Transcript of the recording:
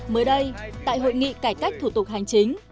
mới đây tại hội nghị cải cách thủ tục hành chính